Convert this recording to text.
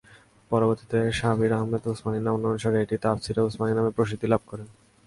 পরবর্তীতে শাব্বির আহমেদ উসমানির নামানুসারে এটি তাফসীরে উসমানী নামে প্রসিদ্ধি লাভ করে।